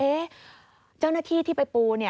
เอ๊ะเจ้าหน้าที่ที่ไปปูเนี่ย